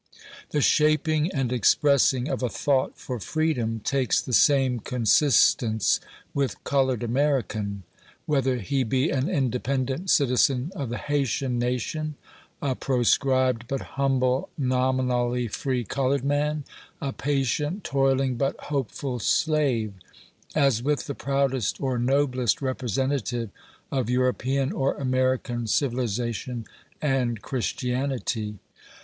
The shaping and expressing of a thought for freedom takes 2 6 A VOICE FROM HARPER'S FERRY. the game consistence with the colored American — whether he be an independent citizen of the Haytian nation, a proscribed but humble nominally free colored man, a patient, toiling, but hopeful slave — as with the proudest or noblest representative of European or American civilization and Christianity.